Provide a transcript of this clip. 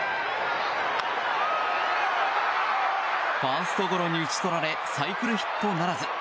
ファーストゴロに打ち取られサイクルヒットならず。